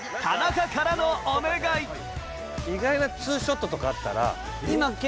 意外なツーショットとかあったら。